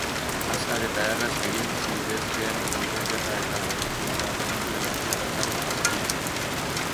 Azkar eta erraz egin zitezkeen konponketa eta berrikuntza sinple batzuk azaldu zizkien.